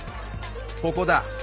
ここだ。